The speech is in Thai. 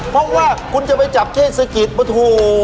เพราะว่าคุณจะไปจับเทศกิจมาโถ